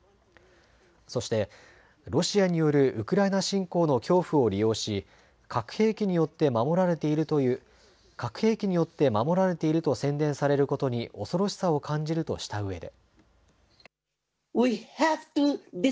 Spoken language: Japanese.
そして、ロシアによるウクライナ侵攻の恐怖を利用し核兵器によって守られていると宣伝されることに恐ろしさを感じるとしたうえで。